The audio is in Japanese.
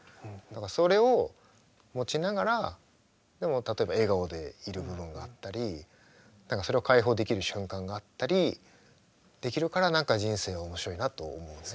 それを持ちながらでも例えば笑顔でいる部分があったりそれを開放できる瞬間があったりできるから何か人生は面白いなと思うね。